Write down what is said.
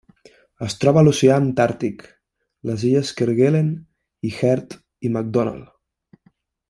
Es troba a l'oceà Antàrtic: les illes Kerguelen i Heard i McDonald.